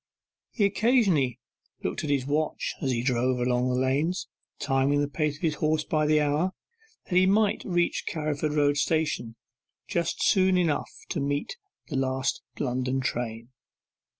He occasionally looked at his watch as he drove along the lanes, timing the pace of his horse by the hour, that he might reach Carriford Road Station just soon enough to meet the last London train.